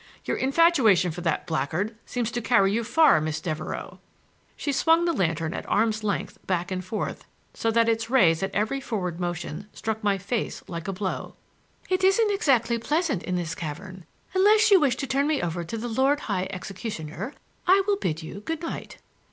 Your infatuation for that blackguard seems to carry you far, Miss Devereux." She swung the lantern at arm's length back and forth so that its rays at every forward motion struck my face like a blow. "It isn't exactly pleasant in this cavern. Unless you wish to turn me over to the lord high executioner, I will bid you good night."